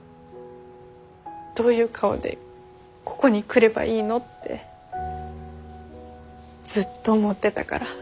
どういう顔でここに来ればいいのってずっと思ってたから。